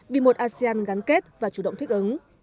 vì một asean gắn kết và chủ động thích ứng